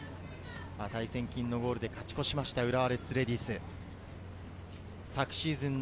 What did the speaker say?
値千金のゴールで勝ち越した浦和レッズレディース。